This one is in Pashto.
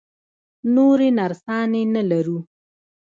نورې نرسانې نه لرو؟